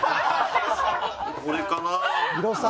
これかな？